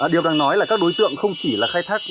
điều đang nói là các đối tượng không chỉ là khai thác